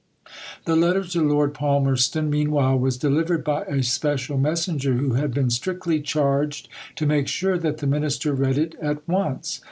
The letter to Lord Palmerston, meanwhile, was delivered by a special messenger, who had been strictly charged to make sure that the Minister read it at once.